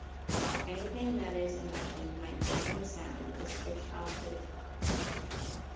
Anything that it is imagined might dampen the sound is stripped off the guitar.